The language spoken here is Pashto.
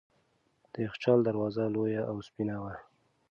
د یخچال دروازه لویه او سپینه وه.